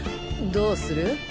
どうする？